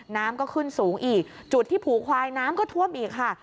น้ำก็ขึ้นสูงอีกจุดที่ผูควายน้ำก็ท่วมอีกค่ะ